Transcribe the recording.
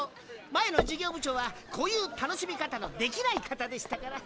前の事業部長はこういう楽しみ方のできない方でしたから。